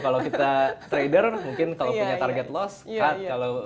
kalau kita trader mungkin kalau punya target loss cut